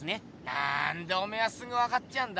なんでおめえはすぐ分かっちゃうんだ？